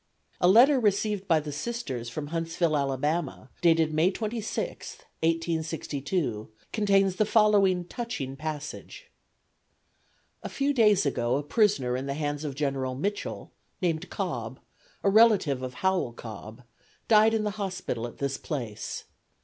A letter received by the Sisters from Huntsville, Ala., dated May 26, 1862, contains the following touching passage: "A few days ago a prisoner in the hands of General Mitchell, named Cobb, a relative of Howell Cobb, died in the hospital at this place.